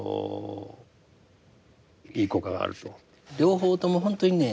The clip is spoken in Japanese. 両方ともほんとにね